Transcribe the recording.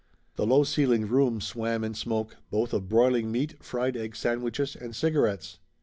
The low ceilinged room swam in smoke, both of broiling meat, fried egg sandwiches and cigarettes.